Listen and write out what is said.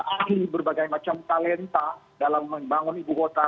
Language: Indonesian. aksi berbagai macam talenta dalam membangun ibu kota